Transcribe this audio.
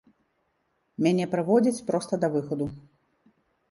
Мяне праводзяць проста да выхаду.